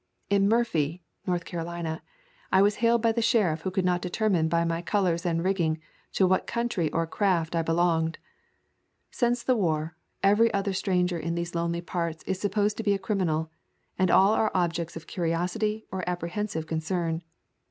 In Murphy [North Carolina] I was hailed by the sheriff who could not determine by my colors and rigging to what country or craft I belonged. Since the war, every other stranger in these lonely parts is supposed to be a crimi nal, and all are objects of curiosity or appre hensive concern.